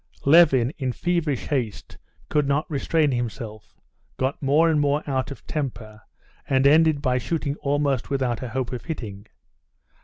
Levin, in feverish haste, could not restrain himself, got more and more out of temper, and ended by shooting almost without a hope of hitting.